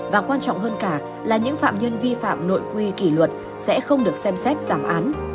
và quan trọng hơn cả là những phạm nhân vi phạm nội quy kỷ luật sẽ không được xem xét giảm án